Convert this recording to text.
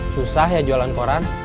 susah ya jualan koran